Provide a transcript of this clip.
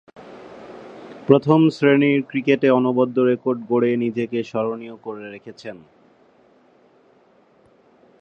প্রথম-শ্রেণীর ক্রিকেটে অনবদ্য রেকর্ড গড়ে নিজেকে স্মরণীয় করে রেখেছেন।